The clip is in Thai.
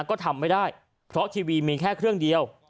ก็ทำไม่ได้เพราะทีวีมีแค่เครื่องเดียว